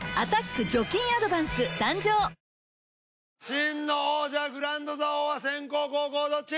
真の王者グランド座王は先攻後攻どっち？